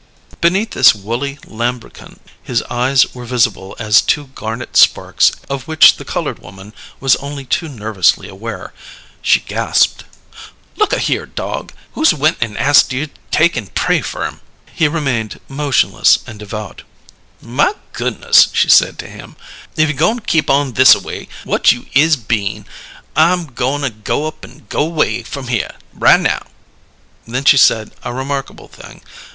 Beneath this woolly lambrequin his eyes were visible as two garnet sparks of which the coloured woman was only too nervously aware. She gasped. "Look a here, dog, who's went an' ast you to take an' pray fer 'em?" He remained motionless and devout. "My goo'niss!" she said to him. "If you goin' keep on thisaway whut you is been, I'm goin' to up an' go way from here, ri' now!" Then she said a remarkable thing.